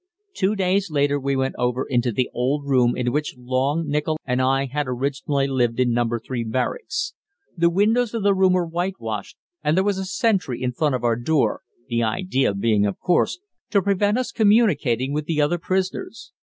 Two days later we went over into the old room in which Long, Nichol, and I had originally lived in No. 3 Barracks. The windows of the room were whitewashed, and there was a sentry in front of our door, the idea being, of course, to prevent us communicating with the other prisoners.